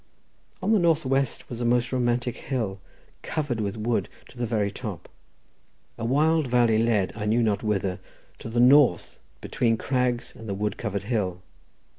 On the northwest was a most romantic hill covered with wood to the very top. A wild valley led, I knew not whither, to the north between crags and the wood covered hill.